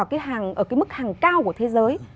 ở cái mức hàng cao của thế giới